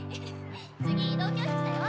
次移動教室だよ。